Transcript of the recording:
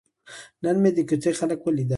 نن مې د کوڅې خلک ولیدل.